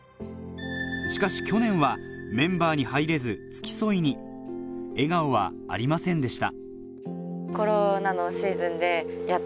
しかし去年はメンバーに入れず付き添いに笑顔はありませんでした